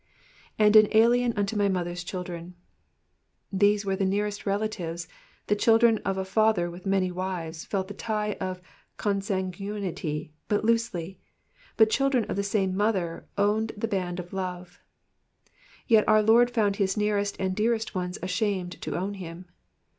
^''And an alien vnto my mother'* 8 children,^ ^ These were the nearest of relatives, the children of a father with many wives felt the tie of consanguinity but loosely, but children of the same mother owned the band of love ; yet our Lord found his nearest and dearest ones ashamed to own him.